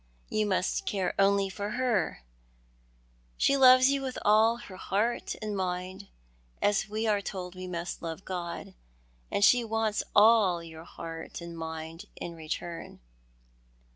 You must care only for hei*. She loves you with all her heart and mind — as we are told wc must love God — and she wants all your heart and mind in return."